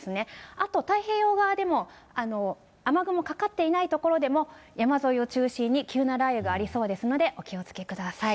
あと、太平洋側でも、雨雲かかっていない所でも、山沿いを中心に急な雷雨がありそうですので、お気をつけください。